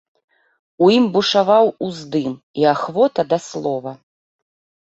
У ім бушаваў уздым і ахвота да слова.